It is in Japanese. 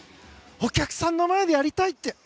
お客さんの前でやりたいって。